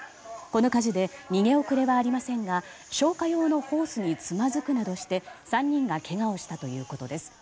この火事で逃げ遅れはありませんが消火用のホースにつまずくなどして３人がけがをしたということです。